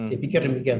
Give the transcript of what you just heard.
saya pikir demikian